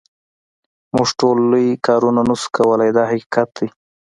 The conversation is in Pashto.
موږ ټول لوی کارونه نه شو کولای دا حقیقت دی.